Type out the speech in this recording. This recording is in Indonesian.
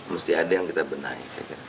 mesti ada yang kita benahi